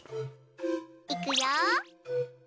いくよ。